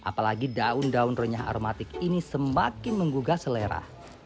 apalagi daun daun renyah aromatik ini semakin menggugah selera